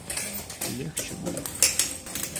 Легче будет.